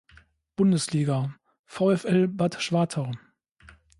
Bundesliga: VfL Bad Schwartau.